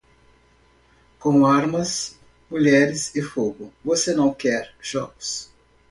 Com armas, mulheres e fogo, você não quer jogos.